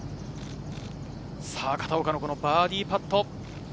片岡のバーディーパット。